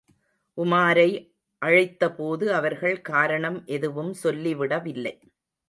உமாரை அழைத்தபோது அவர்கள் காரணம் எதுவும் சொல்லிவிடவில்லை.